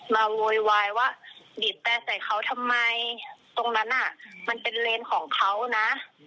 โวยวายว่าบีบแต่ใส่เขาทำไมตรงนั้นน่ะมันเป็นเลนของเขานะ